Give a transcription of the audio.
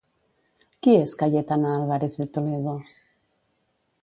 Qui és Cayetana Álvarez de Toledo?